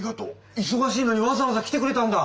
いそがしいのにわざわざ来てくれたんだ。